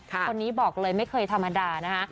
คนนี้บอกเลยไม่เคยธรรมดานะคะ